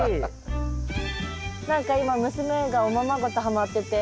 何か今娘がおままごとはまってて。